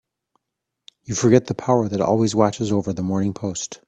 You forget the power that always watches over the Morning Post.